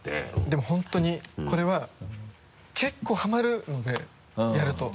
でも本当にこれは結構ハマるのでやると。